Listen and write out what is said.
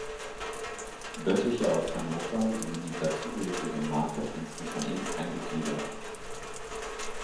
Boetticher aus Hannover sowie die dazugehörige Marke ins Unternehmen eingegliedert.